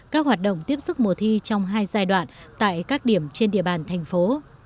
các hoạt động tiếp sức mùa thi trong hai giai đoạn tại các điểm trên địa bàn thành phố